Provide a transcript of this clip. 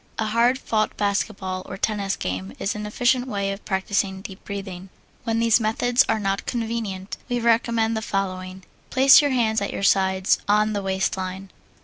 A hard fought basketball or tennis game is an efficient way of practising deep breathing. When these methods are not convenient, we recommend the following: Place your hands at your sides, on the waist line.